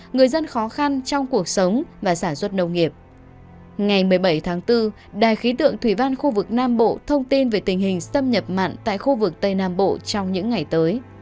ngày một mươi bảy tháng bốn đài khí tượng thủy văn khu vực nam bộ thông tin về tình hình xâm nhập mặn tại khu vực tây nam bộ trong những ngày tới